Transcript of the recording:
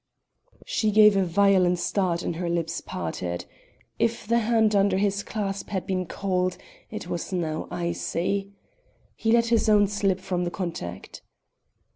She gave a violent start and her lips parted. If the hand under his clasp had been cold, it was now icy. He let his own slip from the contact.